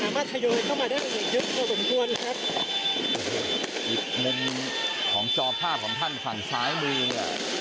มุมของจอภาพผมท่านทางซ้ายมือเนี่ย